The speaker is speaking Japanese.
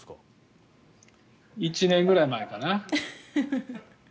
１年ぐらい前かな。